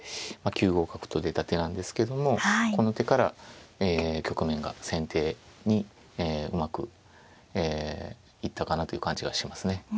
五角と出た手なんですけどもこの手から局面が先手にえうまくいったかなという感じがしますね。